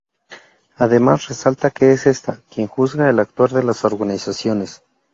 Además resalta que es esta, quien juzga el actuar de las organizaciones.